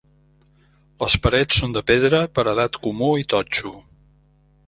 Les parets són de pedra, paredat comú i totxo.